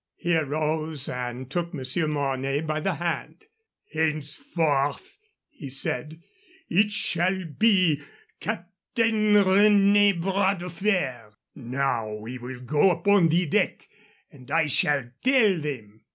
He arose and took Monsieur Mornay by the hand. "Henceforth," he said, "it shall be Captain René Bras de Fer. Now we will go upon deck, and I shall tell them."